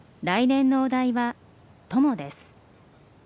来年のお題は「友」です。